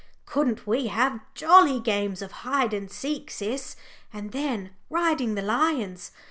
Couldn't we have jolly games of hide and seek, Sis? And then riding the lions!